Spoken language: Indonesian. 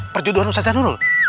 perjodohan ustadz janurul